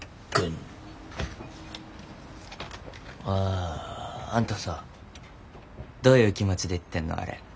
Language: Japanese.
ああんたさどういう気持ちで言ってんのあれ。